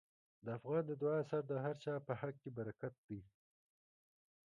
د افغان د دعا اثر د هر چا په حق کې برکت دی.